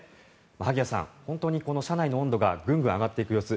萩谷さん、本当に車内の温度がぐんぐん上がっていく様子